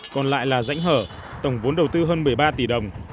còn lại là rãnh hở tổng vốn đầu tư hơn một mươi ba tỷ đồng